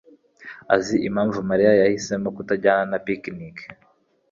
azi impamvu Mariya yahisemo kutajyana na picnic.